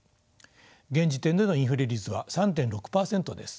現時点でのインフレ率は３．６％です。